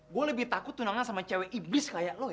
gue lebih takut tunangan sama cewek iblis kayak lo ya